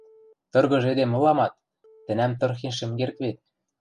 Тыргыж эдем ыламат, тӹнӓм тырхен шӹм керд вет...